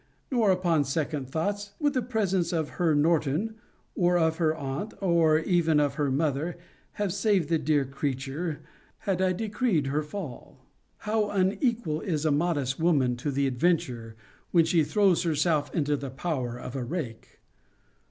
Nor, upon second thoughts, would the presence of her Norton, or of her aunt, or even of her mother, have saved the dear creature, had I decreed her fall. How unequal is a modest woman to the adventure, when she throws herself into the power of a rake!